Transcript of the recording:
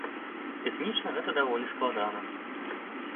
Тэхнічна гэта даволі складана.